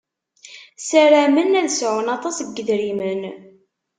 Saramen ad sɛun aṭas n yedrimen.